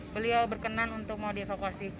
beliau berkenan untuk mau dievakuasi